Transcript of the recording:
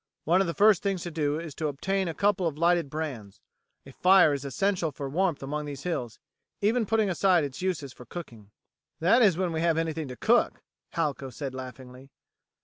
One of the first things to do is to obtain a couple of lighted brands. A fire is essential for warmth among these hills, even putting aside its uses for cooking." "That is when we have anything to cook," Halco said laughingly.